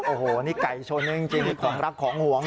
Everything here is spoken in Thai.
โอ้โฮนี่ไก่ชนนักจริงของรักของหวงนะ